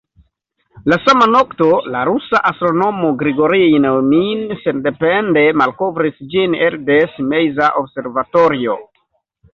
La sama nokto, la rusa astronomo Grigorij Neujmin sendepende malkovris ĝin elde Simeiza observatorio.